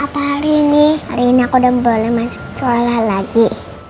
apa hari ini rena udah boleh masuk sekolah lagi